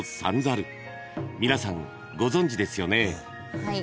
［皆さんご存じですよね］